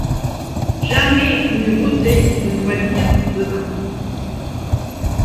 Jamais une beauté ne doit dire demain!